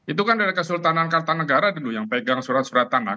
itu kan dari kesultanan kartanegara dulu yang pegang surat surat tangan